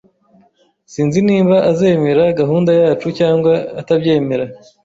Sinzi niba azemera gahunda yacu cyangwa atabyemera